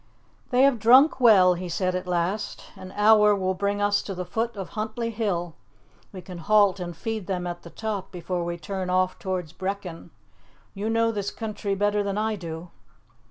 "They have drunk well," he said at last. "An hour will bring us to the foot of Huntly Hill. We can halt and feed them at the top before we turn off towards Brechin. You know this country better than I do."